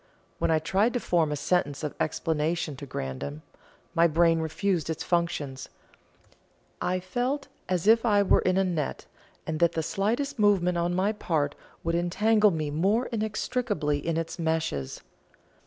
When I tried to form a sentence of explanation to Grandon, my brain refused its functions; I felt as if I were in a net, and that the slightest movement on my part would entangle me more inextricably in its meshes.